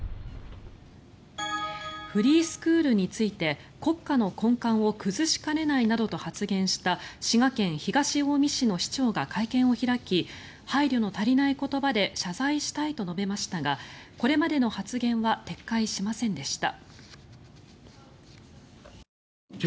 フリースクールについて国家の根幹を崩しかねないなどと発言した滋賀県東近江市の市長が会見を開き配慮の足りない言葉で謝罪したいと述べましたがこれまでの発言は撤回しませんでした。